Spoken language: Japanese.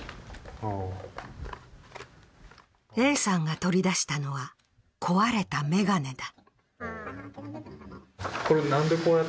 Ａさんが取り出したのは、壊れた眼鏡だ。